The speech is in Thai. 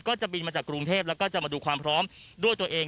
จะบินมาจากกรุงเทพแล้วก็จะมาดูความพร้อมด้วยตัวเอง